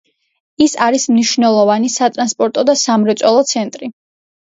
ის არის მნიშვნელოვანი სატრანსპორტო და სამრეწველო ცენტრი.